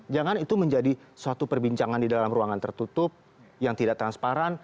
jangan itu menjadi suatu perbincangan di dalam ruangan tertutup yang tidak transparan